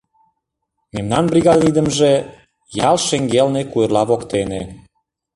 Мемнан бригадын идымже — ял шеҥгелне, куэрла воктене.